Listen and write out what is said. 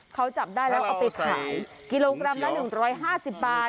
เขาจับได้แล้วเอาไปขายกิโลกรัมละ๑๕๐บาท